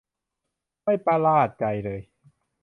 ไม่ประลาดใจเลย